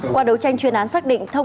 qua đấu tranh chuyên án xác định